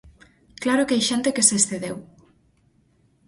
¡Claro que hai xente que se excedeu!